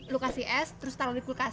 lo kasih es terus taruh di kulkas